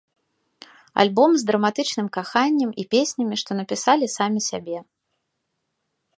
Альбом з драматычным каханнем і песнямі, што напісалі самі сябе.